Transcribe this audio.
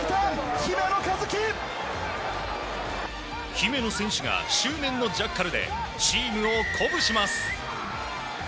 姫野選手が執念のジャッカルでチームを鼓舞します。